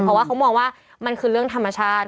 เพราะว่าเขามองว่ามันคือเรื่องธรรมชาติ